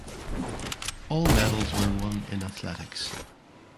All medals were won in athletics.